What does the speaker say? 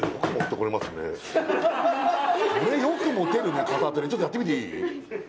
これよく持てるね片手でちょっとやってみていい？